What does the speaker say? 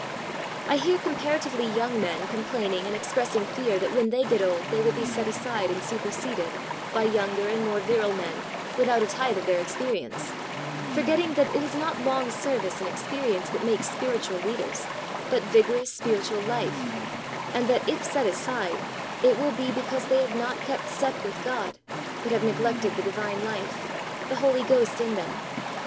I hear comparatively young men com plaining and expressing fear that when they get old they will be set aside and su perseded by younger and more virile men without a tithe of their experience, for getting that it is not long service and ex perience that makes spiritual leaders, but vigorous spiritual life, and that if set aside, it will be because they have not kept step with God;, but have neglected the divine life, the Holy Ghost in them.